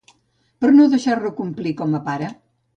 Per no deixar-lo complir com a pare